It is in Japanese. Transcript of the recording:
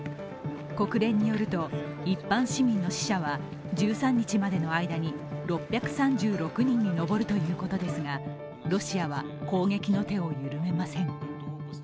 国連によると、一般市民の死者は１３日までの間に、６３６人に上るということですがロシアは攻撃の手を緩めません。